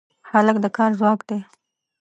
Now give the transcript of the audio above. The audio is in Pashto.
هلک د کار ځواک دی.